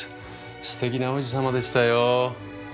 すてきな王子様でしたよ。